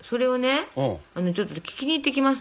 ちょっと行ってきます。